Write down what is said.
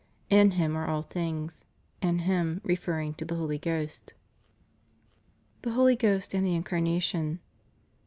"In Him are all things," in Him referring to the Holy Ghost. THE HOLY GHOST AND THE INCARNATION.